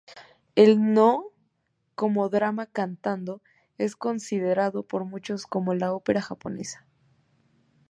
El nō, como drama cantado, es considerado por muchos como la ópera japonesa.